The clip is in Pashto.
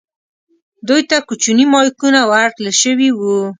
دوی ته کوچني مایکونه ورکړل شوي وو.